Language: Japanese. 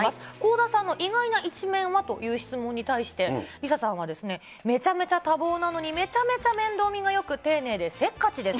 倖田さんの意外な一面はという質問に対して、ＬｉＳＡさんはですね、めちゃめちゃ多忙なのに、めちゃめちゃ面倒見がよく、丁寧でせっかちです。